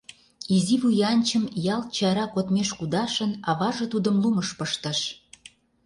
Изи вуянчым, ялт чара кодмеш кудашын, аваже тудым лумыш пыштыш.